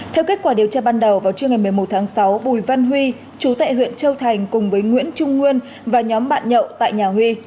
theo kết quả điều tra ban đầu vào trưa ngày một mươi một tháng sáu bùi văn huy chú tại huyện châu thành cùng với nguyễn trung nguyên và nhóm bạn nhậu tại nhà huy